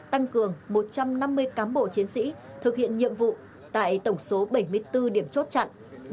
tăng cường một trăm năm mươi cán bộ chiến sĩ thực hiện nhiệm vụ tại tổng số bảy mươi bốn điểm chốt chặn